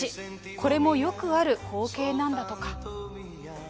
これもよくある光景なんだとか。